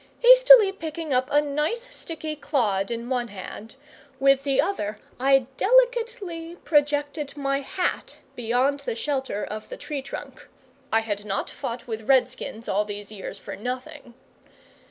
Hastily picking up a nice sticky clod in one hand, with the other I delicately projected my hat beyond the shelter of the tree trunk. I had not fought with Red skins all these years for nothing.